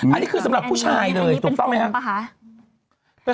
อันนี้คือสำหรับผู้ชายเลยถูกต้องไหมครับ